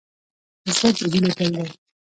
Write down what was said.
زړه د هیلو ګل دی.